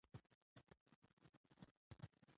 کۀ څوک با شعوره پښتانۀ تاسو پېژنئ